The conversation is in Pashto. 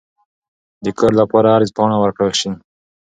د کور لپاره عرض پاڼه ورکړل شي.